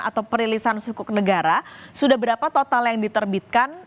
atau perilisan sukuk negara sudah berapa total yang diterbitkan